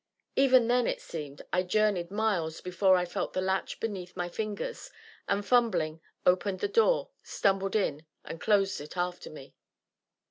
Even then, it seemed, I journeyed miles before I felt the latch beneath my fingers, and fumbling, opened the door, stumbled in, and closed it after me.